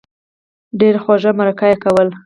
ډېره خوږه مرکه یې کوله.